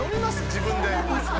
自分で。